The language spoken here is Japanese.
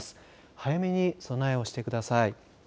早めに備えをしてください。